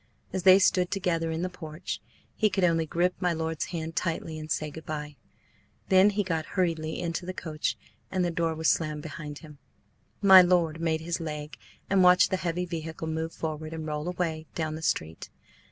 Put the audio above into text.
As they stood together in the porch, he could only grip my lord's hand tightly and say good bye. Then he got hurriedly into the coach, and the door was slammed behind him. My lord made his leg, and watched the heavy vehicle move forward and roll away down the street.